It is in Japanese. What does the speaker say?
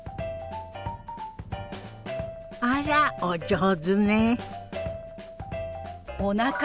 あらお上手ね。